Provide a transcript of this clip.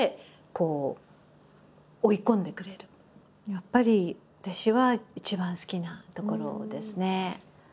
やっぱり私は一番好きな所ですね。